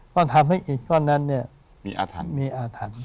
ก็ทำให้อิตก้อนนั้นมีอธรรม